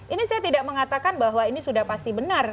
ini saya tidak mengatakan bahwa ini sudah pasti benar